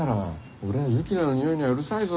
俺はユキナの匂いにはうるさいぞ。